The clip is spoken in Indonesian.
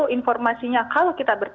informasinya kalau kita